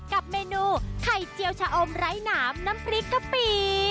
กับเมนูไข่เจียวชะอมไร้หนามน้ำพริกกะปิ